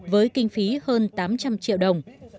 với kinh phí hơn tám trăm linh triệu đồng